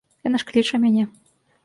Яна ж кліча мяне.